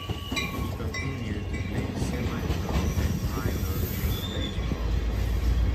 He continued to play semi-pro and minor league baseball.